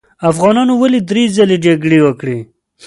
افغانانو ولې درې ځلې جګړې وکړې.